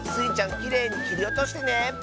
きれいにきりおとしてね！